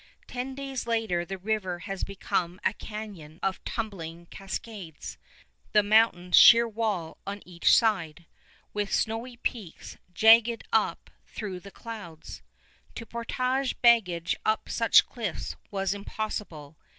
Ten days later the river has become a canyon of tumbling cascades, the mountains sheer wall on each side, with snowy peaks jagging up through the clouds. To portage baggage up such cliffs was impossible.